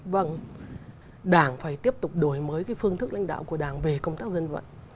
vâng đảng phải tiếp tục đổi mới cái phương thức lãnh đạo của đảng về công tác dân vận